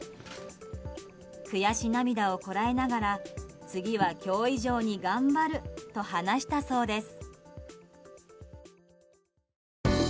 悔し涙をこらえながら次は今日以上に頑張ると話したそうです。